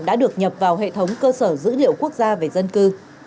đã được nhập vào hệ thống cơ sở dữ liệu quốc gia về dân cư